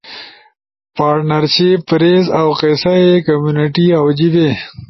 پارٹنرشب، پریس، اؤ قصہ ئی، کمیونٹی اؤ جیِبے